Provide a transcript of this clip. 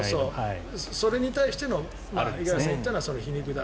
それに対しての五十嵐さんが言ったのは皮肉の話。